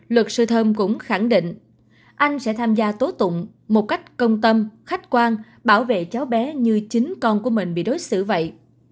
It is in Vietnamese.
luật sư thơm cũng khẳng định anh sẽ tham gia tố tụng một cách công tâm khách quan bảo vệ cháu bé như chính con của mình bị đối xử vậy